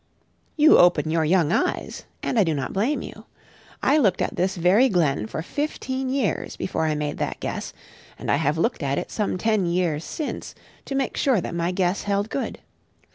You open your young eyes. And I do not blame you. I looked at this very glen for fifteen years before I made that guess; and I have looked at it some ten years since, to make sure that my guess held good.